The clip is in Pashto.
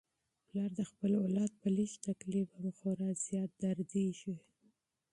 پلار د خپل اولاد په لږ تکلیف هم خورا زیات دردیږي.